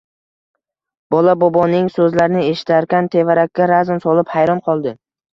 Bola boboning soʻzlarini eshitarkan tevarakka razm solib hayron qoldi.